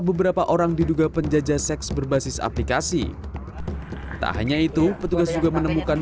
beberapa orang diduga penjajah seks berbasis aplikasi tak hanya itu petugas juga menemukan